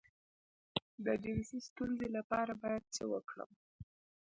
د جنسي ستونزې لپاره باید څه وکړم؟